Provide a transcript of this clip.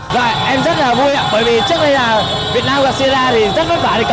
dạ em rất là vui ạ bởi vì trước đây là việt nam và sierra thì rất vất vả để cầm hòa một đều ạ